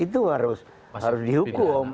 yang harus dihukum